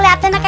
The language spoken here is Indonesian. aduh aku akbar